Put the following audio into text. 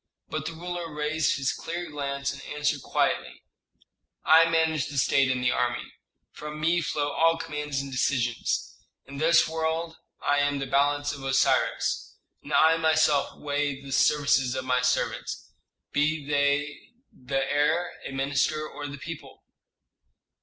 But the ruler raised his clear glance, and answered quietly, "I manage the state and the army. From me flow all commands and decisions. In this world I am the balance of Osiris, and I myself weigh the services of my servants, be they the heir, a minister, or the people.